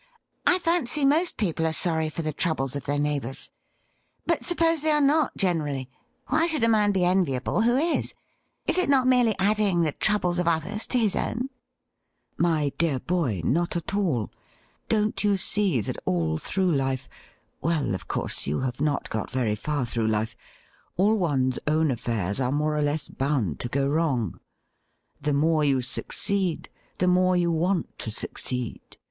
' I fancy most people are sorry for the troubles of their neighbours. But suppose they are not generally, 156 THE RIDDLE RING why should a man be enviable who is ? Is it not merely adding the troubles of others to his own ?'' My dear boy, not at all. Don't you see that all through life — ^well, of course, you have not got very far through life — all one's own aflFairs are more or less bound to go wrong ? The more you succeed, the more you want to succeed.